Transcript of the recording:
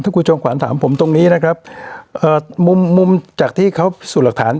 คุณจอมขวัญถามผมตรงนี้นะครับเอ่อมุมมุมจากที่เขาสูจนหลักฐาน